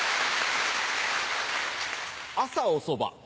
朝おそば。